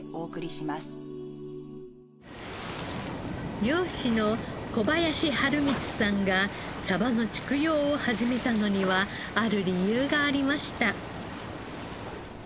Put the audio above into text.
漁師の小林春光さんがサバの蓄養を始めたのにはある理由がありました。